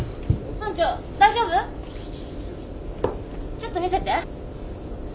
ちょっと見せて。